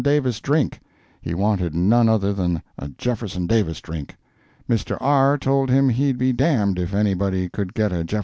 Davis drink: he wanted none other than a Jeff. Davis drink. Mr. R. told him he'd be d—d if any body could get a Jeff.